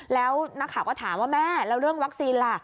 แล้วนักข่าวก็ถามว่าแม่แล้วเรื่องวัคซีนล่ะ